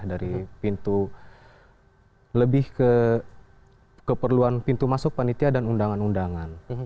dari pintu lebih ke keperluan pintu masuk panitia dan undangan undangan